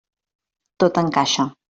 Tot encaixa.